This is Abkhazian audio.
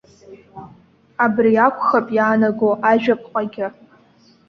Абри акәхап иаанаго ажәаԥҟагьы.